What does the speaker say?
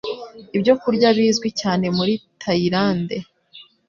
Ibyokurya bizwi cyane muri Tayilande